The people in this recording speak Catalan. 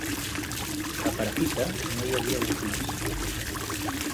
A Perafita no hi havia urnes.